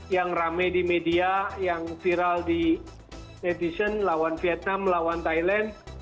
yang rame di media yang viral di netizen lawan vietnam melawan thailand